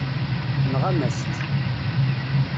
Tenɣam-as-tt.